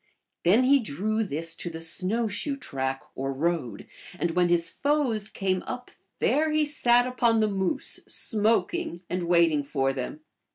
Then he drew this to tljie snow shoe track or road, and when his foes came u.b there he sat upon the moose, smoking, and wait img for them.